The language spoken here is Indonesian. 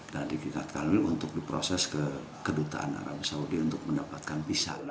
dan di tingkat kanwil untuk diproses ke kedutaan arab saudi untuk mendapatkan visa